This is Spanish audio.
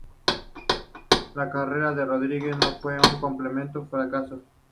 La carrera de Rodríguez no fue un completo fracaso.